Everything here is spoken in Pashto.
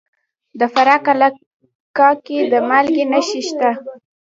د فراه په قلعه کاه کې د مالګې نښې شته.